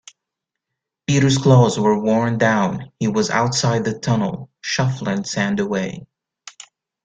Peter's claws were worn down; he was outside the tunnel, shuffling sand away.